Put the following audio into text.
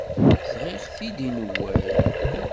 Sɣiɣ-t-id i Newwal.